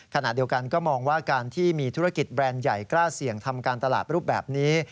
ขณะเดียวกันก็มองว่าการที่มีธุรกิจแบรนด์ใหญ่กล้าเสี่ยงทำการตลาดรูปแบบนี้